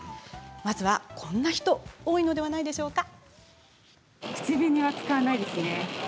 まずはこんな人多いのではないでしょうか。